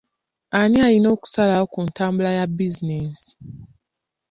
Ani alina okusalawo ku ntambula ya bizinensi?